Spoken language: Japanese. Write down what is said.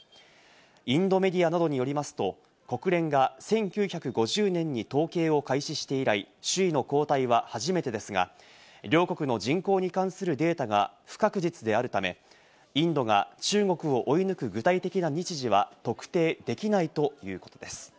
インドメディアなどによりますと国連が１９５０年に統計を開始して以来、首位の交代は初めてですが、両国の人口に関するデータが不確実であるため、インドが中国を追い抜く、具体的な日時は特定できないということです。